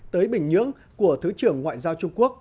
tới bình nhưỡng của thứ trưởng ngoại giao trung quốc